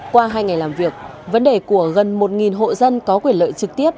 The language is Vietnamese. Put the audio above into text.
qua hai ngày làm việc vấn đề của gần một hộ dân có quyền lợi trực tiếp